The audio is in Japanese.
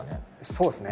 そうですね。